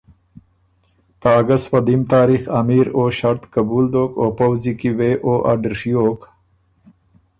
ته اګست په دیم تاریخ امیر او ݭړط قبول دوک او پؤځی کی وې او اډر ڒیوک